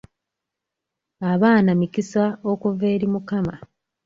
Abaana mikisa okuva eri mukama.